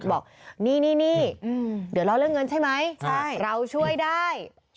บอกนี่เดี๋ยวรอเรื่องเงินใช่ไหมเราช่วยได้